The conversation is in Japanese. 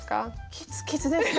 きつきつでした。